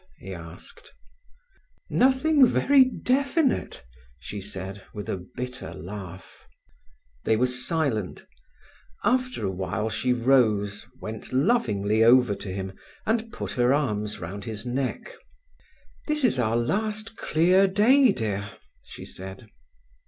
he asked. "Nothing very definite," she said, with a bitter laugh. They were silent. After a while she rose, went lovingly over to him, and put her arms round his neck. "This is our last clear day, dear," she said.